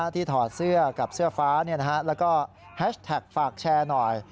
ถอดเสื้อกับเสื้อฟ้าแล้วก็แฮชแท็กฝากแชร์หน่อย